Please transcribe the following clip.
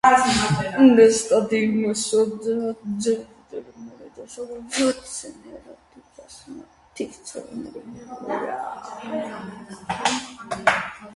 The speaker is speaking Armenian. Նստադիր մսոտ ձվաձև տերևները դասավորված են հերթադիր բազմաթիվ ցողունների վրա։